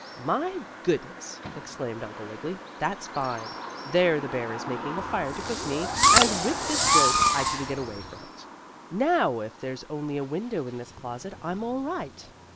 "My goodness!" exclaimed Uncle Wiggily, "that's fine. There the bear is making a fire to cook me, and with this rope I can get away from it. Now if there's only a window in this closet I'm all right."